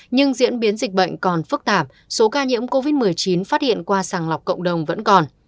nhưng diễn biến dịch bệnh còn phức tạp số ca nhiễm covid một mươi chín phát hiện qua sàng lọc cộng đồng vẫn còn